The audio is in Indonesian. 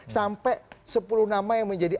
sampai sepuluh nama yang menjadi